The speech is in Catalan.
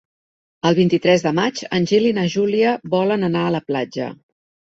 El vint-i-tres de maig en Gil i na Júlia volen anar a la platja.